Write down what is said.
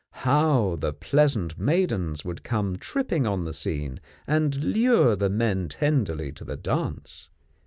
How the peasant maidens would come tripping on the scene and lure the men tenderly to the dance!